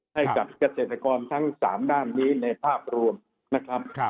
ให้กับเกษตรกรทั้ง๓ด้านนี้ในภาพรวมนะครับ